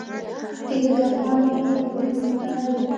د کتاب پاڼې د فکرونو نړۍ ده.